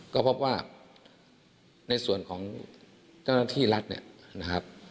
ก็เพราะว่าในส่วนของเจ้าหน้าที่รัฐนะครับ